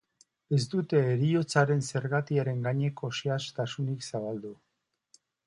Ez dute heriotzaren zergatiaren gaineko xehetasunik zabaldu.